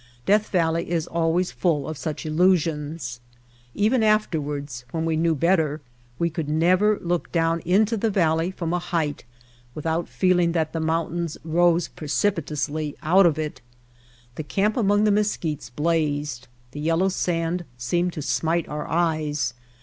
Death Valley is always full of such illusions. Even afterwards, when we knew better, we could never look down into the valley from a height without feeling that the mountains rose precipitously out of it. That camp among the mesquites blazed. The yellow sand seemed to smite our eyes.